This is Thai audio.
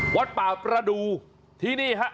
วัดป่าประดูที่นี่ฮะ